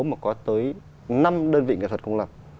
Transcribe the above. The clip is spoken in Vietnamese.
mà có tới năm đơn vị nghệ thuật công lập